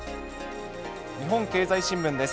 日本経済新聞です。